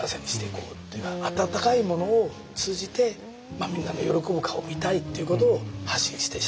温かいものを通じてみんなの喜ぶ顔を見たいということを発信して。